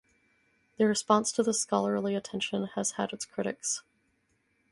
The response to this scholarly attention has had its critics.